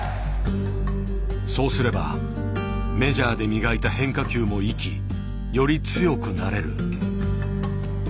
そうすればメジャーで磨いた変化球も生きより強くなれる。